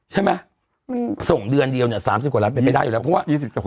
ใช่ไหมมันส่งเดือนเดียวเนี่ย๓๐กว่าล้านเป็นไปได้อยู่แล้วเพราะว่า